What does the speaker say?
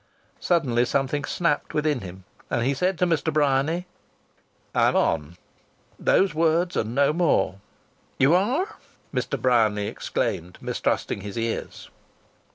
Suddenly something snapped within him and he said to Mr. Bryany: "I'm on!" Those words and no more! "You are?" Mr. Bryany exclaimed, mistrusting his ears.